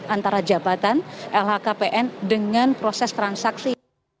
antara jabatan lhkpn dengan proses transaksi